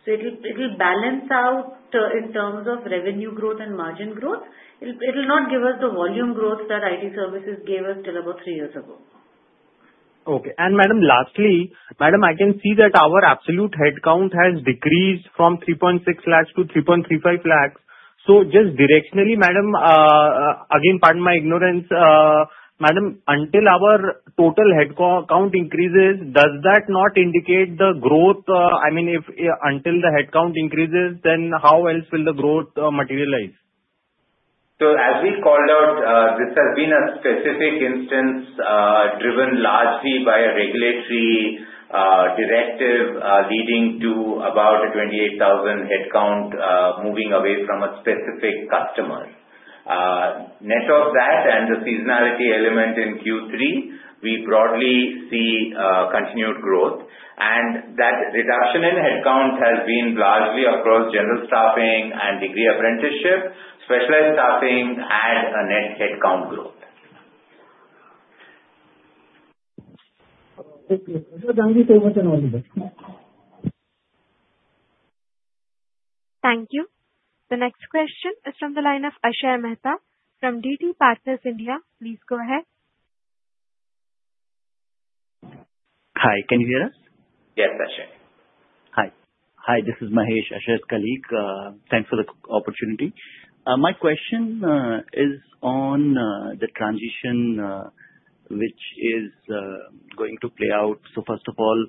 So it'll balance out in terms of revenue growth and margin growth. It'll not give us the volume growth that IT services gave us till about three years ago. Okay. Madam, lastly, madam, I can see that our absolute headcount has decreased from 3.6 lakhs to 3.35 lakhs. So just directionally, madam, again, pardon my ignorance, madam, until our total headcount increases, does that not indicate the growth? I mean, if until the headcount increases, then how else will the growth materialize? So, as we called out, this has been a specific instance, driven largely by a regulatory directive, leading to about a 28,000 headcount moving away from a specific customer. Net of that and the seasonality element in Q3, we broadly see continued growth. And that reduction in headcount has been largely across general staffing and degree apprenticeship. Specialized staffing has a net headcount growth. Okay. Thank you so much and all the best. Thank you. The next question is from the line of Ashay Mehta from Dolat Capital. Please go ahead. Hi, can you hear us? Yes, Ashay. Hi. Hi, this is Mahesh, Ashok's colleague. Thanks for the opportunity. My question is on the transition which is going to play out. So first of all,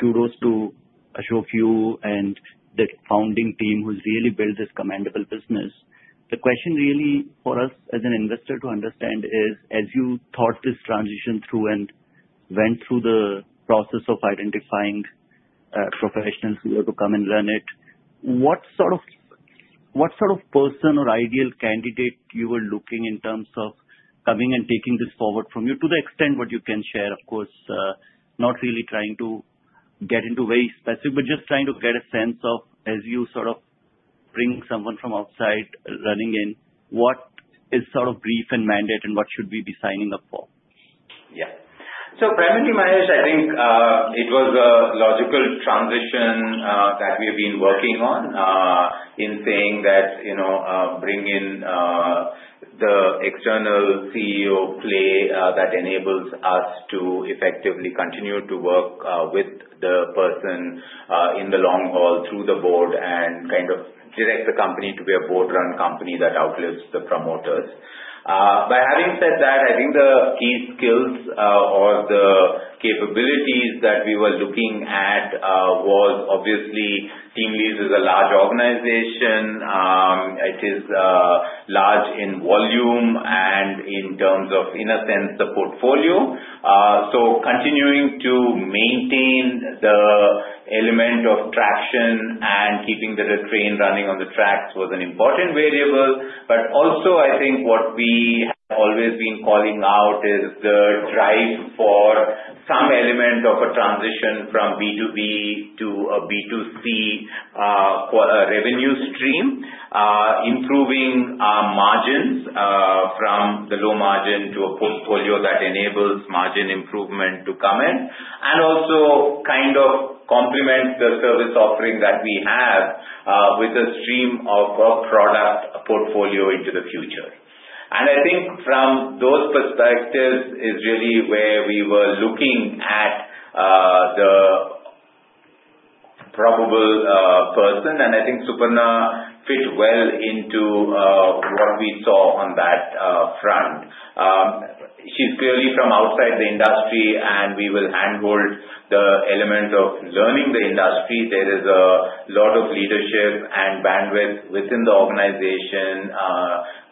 kudos to Ashok, you, and the founding team who's really built this commendable business. The question really for us as an investor to understand is: as you thought this transition through and went through the process of identifying professionals who were to come and run it, what sort of, what sort of person or ideal candidate you were looking in terms of coming and taking this forward from you? To the extent what you can share, of course. Not really trying to get into very specific, but just trying to get a sense of, as you sort of bring someone from outside running in, what is sort of brief and mandate and what should we be signing up for? Yeah. So primarily, Mahesh, I think it was a logical transition that we've been working on in saying that, you know, bring in the external CEO play that enables us to effectively continue to work with the person in the long haul through the board and kind of direct the company to be a board-run company that outlives the promoters. By having said that, I think the key skills or the capabilities that we were looking at was obviously TeamLease is a large organization. It is large in volume and in terms of, in a sense, the portfolio. So continuing to maintain the element of traction and keeping the train running on the tracks was an important variable. But also, I think what we have always been calling out is the drive for some element of a transition from B2B to a B2C, for a revenue stream. Improving our margins, from the low margin to a portfolio that enables margin improvement to come in. Also kind of complement the service offering that we have, with a stream of a product portfolio into the future. And I think from those perspectives is really where we were looking at, the probable person, and I think Suparna fits well into, what we saw on that front. She's clearly from outside the industry, and we will handhold the element of learning the industry. There is a lot of leadership and bandwidth within the organization,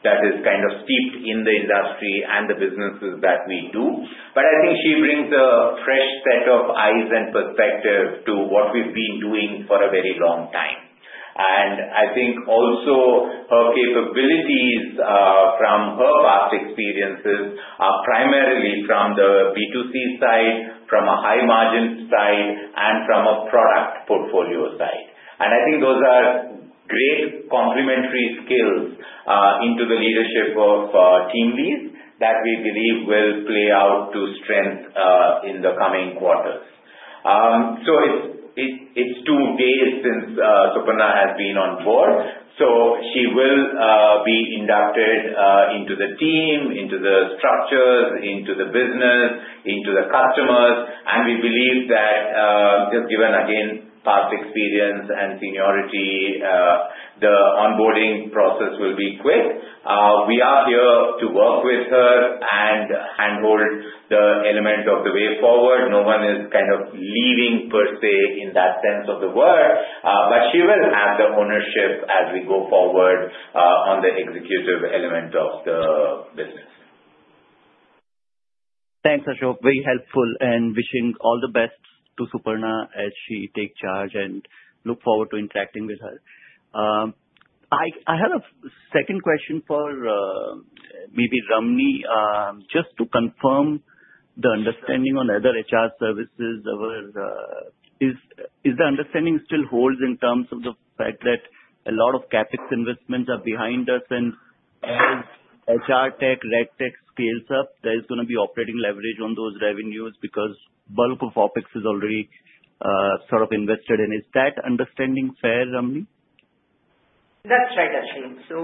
that is kind of steeped in the industry and the businesses that we do. But I think she brings a fresh set of eyes and perspective to what we've been doing for a very long time. And I think also her capabilities, from her past experiences are primarily from the B2C side, from a high margin side, and from a product portfolio side. And I think those are great complementary skills, into the leadership of, TeamLease, that we believe will play out to strength, in the coming quarters. So it's two days since, Suparna has been on board, so she will, be inducted, into the team, into the structures, into the business, into the customers. And we believe that, just given, again, past experience and seniority, the onboarding process will be quick. We are here to work with her and handhold the element of the way forward. No one is kind of leaving, per se, in that sense of the word, but she will have the ownership as we go forward, on the executive element of the business. Thanks, Ashok. Very helpful, and wishing all the best to Suparna as she take charge and look forward to interacting with her. I had a second question for, maybe Ramani. Just to confirm the understanding on other HR services, is the understanding still holds in terms of the fact that a lot of CapEx investments are behind us, and as HR tech, RecTech scales up, there is gonna be operating leverage on those revenues because bulk of OpEx is already, sort of invested in. Is that understanding fair, Ramani? That's right, Ashok. So,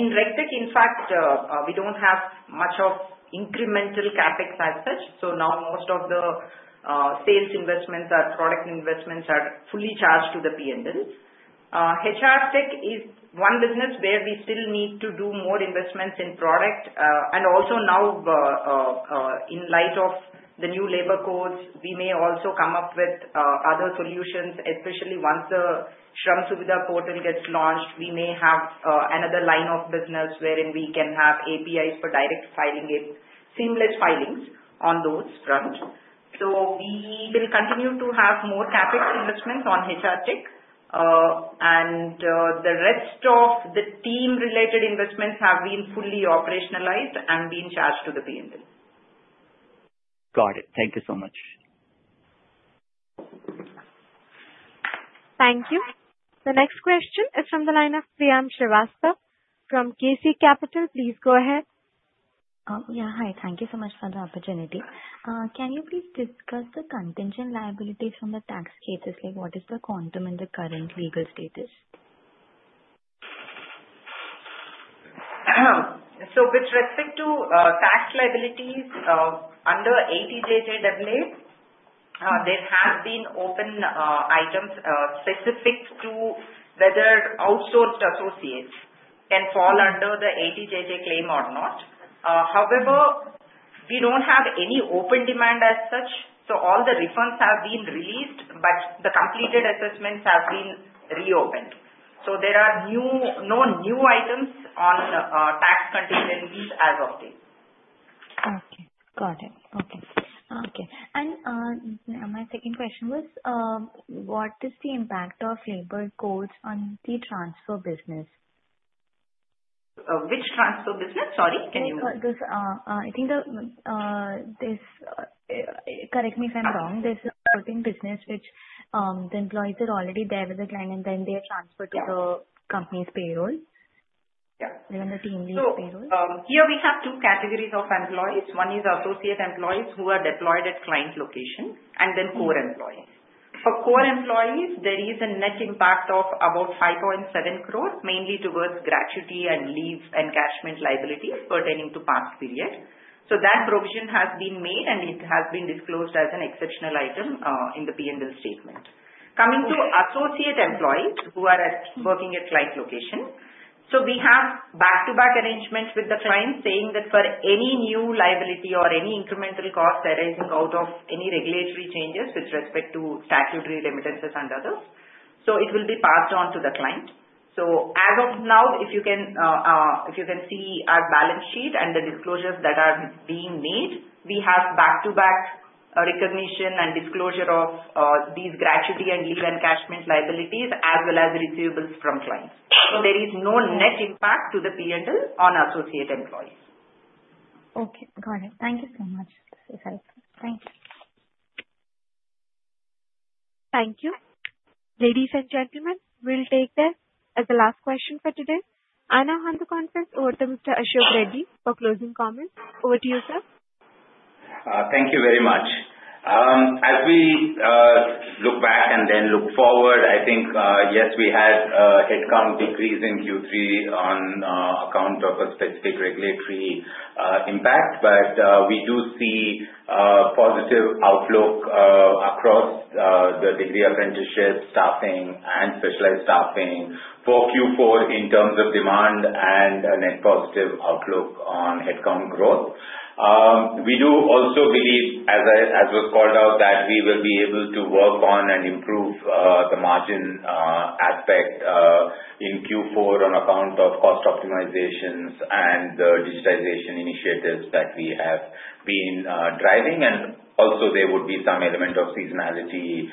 in RecTech, in fact, we don't have much of incremental CapEx as such. So now most of the, sales investments, our product investments are fully charged to the P&L. HR tech is one business where we still need to do more investments in product. And also now, in light of the new Labour Codes, we may also come up with, other solutions, especially once the Shram Suvidha Portal gets launched, we may have, another line of business wherein we can have APIs for direct filing it, seamless filings on those fronts. So we will continue to have more CapEx investments on HR tech. And, the rest of the team-related investments have been fully operationalized and been charged to the P&L. Got it. Thank you so much. Thank you. The next question is from the line of Priyam Srivastava from KC Capital. Please go ahead. Yeah, hi. Thank you so much for the opportunity. Can you please discuss the contingent liabilities from the tax cases? Like, what is the quantum in the current legal status? So with respect to tax liabilities under 80JJAA, there have been open items specific to whether outsourced associates can fall under the 80JJAA claim or not. However, we don't have any open demand as such, so all the refunds have been released, but the completed assessments have been reopened. So there are new—no new items on tax contingencies as of today. Okay. Got it. Okay. Okay, and, my second question was, what is the impact of Labour Codes on the transfer business? Which transfer business? Sorry, can you- I think, correct me if I'm wrong, there's a certain business which the employees are already there with the client, and then they are transferred to the company's payroll. Yeah. The TeamLease payroll. Here we have two categories of employees. One is associate employees, who are deployed at client location, and then core employees. For core employees, there is a net impact of about 5.7 crore, mainly towards gratuity and leave encashment liabilities pertaining to past period. So that provision has been made, and it has been disclosed as an exceptional item, in the P&L statement. Okay. Coming to associate employees who are at, working at client location. So we have back-to-back arrangements with the client, saying that for any new liability or any incremental cost arising out of any regulatory changes with respect to statutory remittances and others, so it will be passed on to the client. So as of now, if you can, if you can see our balance sheet and the disclosures that are being made, we have back-to-back, recognition and disclosure of, these gratuity and leave encashment liabilities, as well as receivables from clients. So there is no net impact to the P&L on associate employees. Okay, got it. Thank you so much. Thanks, bye. Thank you. Ladies and gentlemen, we'll take that as the last question for today. On our conference over to Mr. Ashok Reddy for closing comments. Over to you, sir. Thank you very much. As we look back and then look forward, I think, yes, we had a head count decrease in Q3 on account of a specific regulatory impact. But we do see positive outlook across the degree apprenticeships, staffing, and specialized staffing for Q4 in terms of demand and a net positive outlook on head count growth. We do also believe, as was called out, that we will be able to work on and improve the margin aspect in Q4 on account of cost optimizations and the digitization initiatives that we have been driving. Also there would be some element of seasonality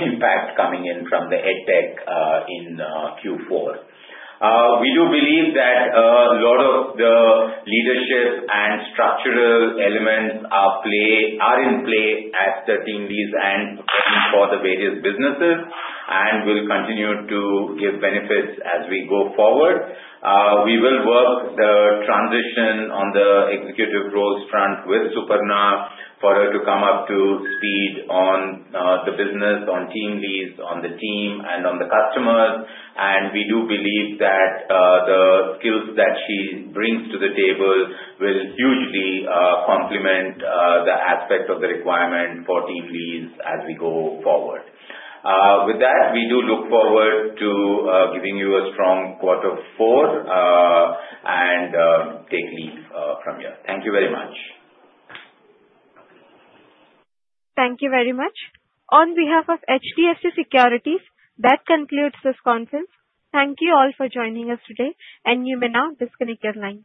impact coming in from the EdTech in Q4. We do believe that a lot of the leadership and structural elements are play, are in play at TeamLease and for the various businesses, and will continue to give benefits as we go forward. We will work the transition on the executive roles front with Suparna, for her to come up to speed on the business, on TeamLease, on the team, and on the customers. And we do believe that the skills that she brings to the table will hugely complement the aspect of the requirement for TeamLease as we go forward. With that, we do look forward to giving you a strong quarter four, and take leave from here. Thank you very much. Thank you very much. On behalf of HDFC Securities, that concludes this conference. Thank you all for joining us today, and you may now disconnect your line.